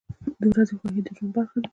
• د ورځې خوښي د ژوند برخه ده.